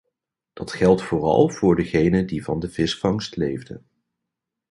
Dat geldt vooral voor degenen die van de visvangst leefden.